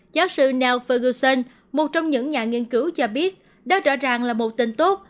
giáo sư neil ferguson một trong những nhà nghiên cứu cho biết đó rõ ràng là một tên tốt